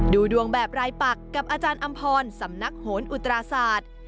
ดูดวงแบบรายปักกับอาจารย์อำพรสำนักโหนอุตราศาสตร์